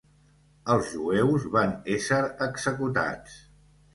Els jueus van ésser executats.